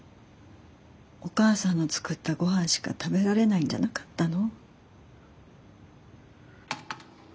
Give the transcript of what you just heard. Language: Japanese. お母さんの作ったご飯しか食べられないんじゃなかったの？